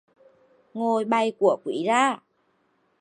Ngồi bày của quý ra